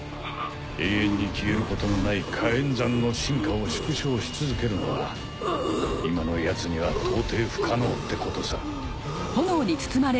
永遠に消えることのない火焔山の真火を縮小し続けるのは今のヤツには到底不可能ってことさ。